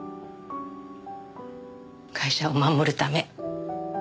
会社を守るため。